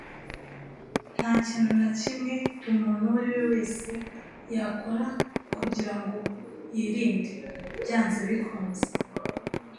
Ntakintu nakimwe umuntu uwo ari we wese yakora kugirango yirinde byanze bikunze.